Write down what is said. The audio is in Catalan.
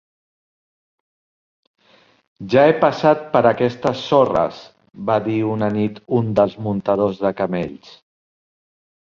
"Ja he passat per aquestes sorres", va dir una nit un dels muntadors de camells.